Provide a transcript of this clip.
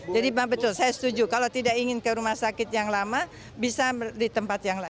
jadi benar benar saya setuju kalau tidak ingin ke rumah sakit yang lama bisa di tempat yang lain